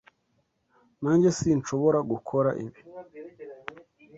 Nanjye sinshobora gukora ibi.